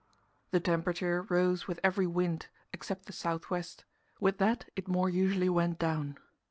The temperature rose with every wind, except the south west; with that it more usually went down.